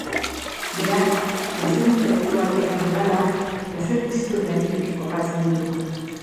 Berak, plazer intelektual eta moralak plazer fisikoen gainetik kokatzen ditu.